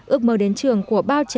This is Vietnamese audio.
ước mơ đến trường của bao trẻ